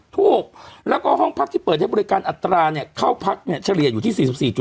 ถูกแล้วก็ห้องพักที่เปิดให้บริการอัตราเนี่ยเข้าพักเนี่ยเฉลี่ยอยู่ที่๔๔